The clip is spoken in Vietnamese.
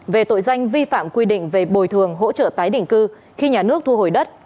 về tội danh vi phạm quy định về bồi thường hỗ trợ tái định cư khi nhà nước thu hồi đất